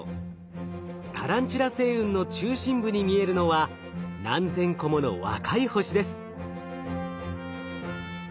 タランチュラ星雲の中心部に見えるのは何千個もの若い星です。